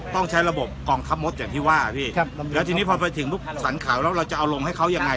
ต้องใช้ระบบกองทัพมดอย่างที่ว่าพี่ครับแล้วทีนี้พอไปถึงปุ๊บสรรขาวแล้วเราจะเอาลงให้เขายังไง